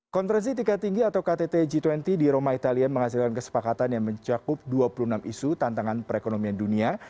konferensi tingkat tinggi atau ktt g dua puluh di roma italia menghasilkan kesepakatan yang mencakup dua puluh enam isu tantangan perekonomian dunia